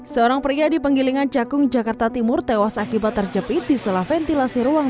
seorang pria di penggilingan cakung jakarta timur tewas akibat terjepit di salah ventilasi ruang